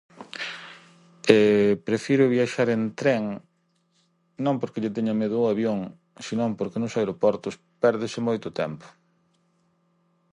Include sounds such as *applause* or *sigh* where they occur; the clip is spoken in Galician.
*hesitation* Prefiro viaxar en tren, non porque lle teña medo ao avión, se non porque nos aeroportos pérdese moito tempo.